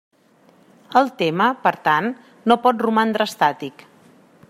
El tema, per tant, no pot romandre estàtic.